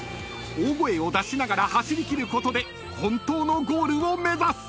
大声を出しながら走り切ることで本当のゴールを目指す！］